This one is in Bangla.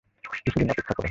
কিছুদিন অপেক্ষা করো।